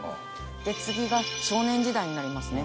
次が少年時代になりますね。